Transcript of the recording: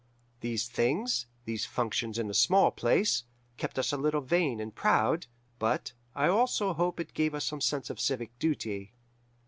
These things, these functions in a small place, kept us a little vain and proud, but, I also hope it gave us some sense of civic duty.